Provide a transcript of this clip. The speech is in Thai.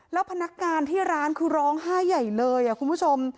แล้วพนักงานที่ร้านคือร้องไห้ใหญ่เลยคุณผู้ชม